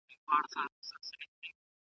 بدن به ورو ورو عیار شوی وي.